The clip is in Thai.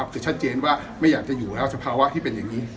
จะชัดเจนว่าไม่อยากจะอยู่แล้วสภาวะที่เป็นอย่างนี้